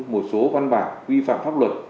một số văn bản quy phạm pháp luật